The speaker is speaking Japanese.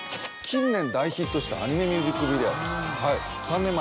近年大ヒットしたアニメミュージックビデオ。